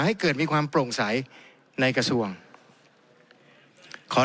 ให้เกิดมีความโปร่งใสในกระทรวงขอ